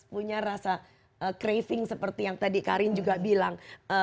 punya rasa craving seperti yang tadi karin juga bilang